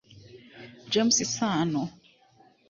James Sano